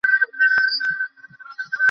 সবার কাগজ প্রস্তুত?